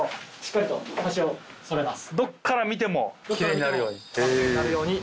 どこから見ても完璧になるように。